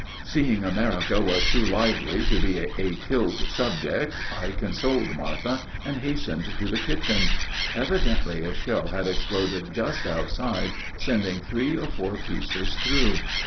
Seeing America was too lively to be a killed subject, I consoled Martha and hastened to the kitchen. Evidently a shell had exploded just outside, sending three or four pieces through.